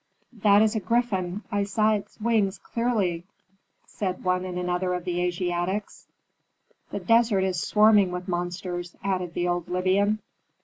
"That is a griffin! I saw its wings clearly," said one and another of the Asiatics. "The desert is swarming with monsters," added the old Libyan.